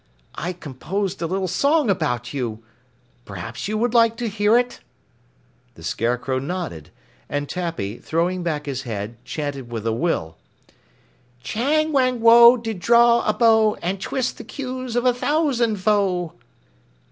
"I composed a little song about you. Perhaps you would like to hear it?" The Scarecrow nodded, and Tappy, throwing back his head, chanted with a will: Chang Wang Woe did draw the bow And twist the queues of a thousand foe!